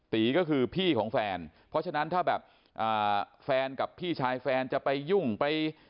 ตีก็คือพี่ของแฟนเพราะฉะนั้นถ้าแบบแฟนกับพี่ชายแฟนจะไปยุ่งไป